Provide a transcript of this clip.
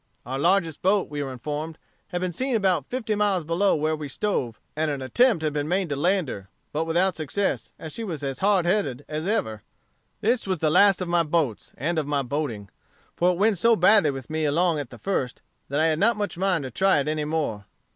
Our largest boat, we were informed, had been seen about fifty miles below where we stove, and an attempt had been made to land her, but without success, as she was as hard headed as ever. "This was the last of my boats, and of my boating; for it went so badly with me along at the first, that I had not much mind to try it any more.